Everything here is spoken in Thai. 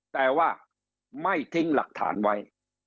แต่ว่าไม่ทิ้งหลักฐานไว้